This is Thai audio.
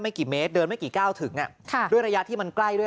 กี่เมตรเดินไม่กี่ก้าวถึงด้วยระยะที่มันใกล้ด้วย